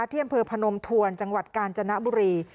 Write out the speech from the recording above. เที่ยมเผลอพนมถวรจังหวัดกาญจนบุรี